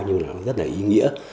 nhưng mà nó rất là ý nghĩa